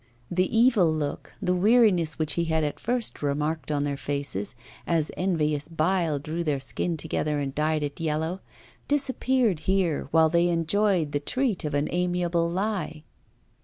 The evil look, the weariness, which he had at first remarked on their faces, as envious bile drew their skin together and dyed it yellow, disappeared here while they enjoyed the treat of an amiable lie.